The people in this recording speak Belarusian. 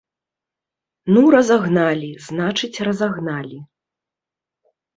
Ну разагналі, значыць разагналі.